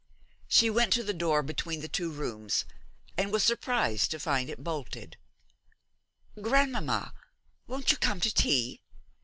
She went to the door between the two rooms, and was surprised to find it bolted. 'Grandmamma, won't you come to tea?'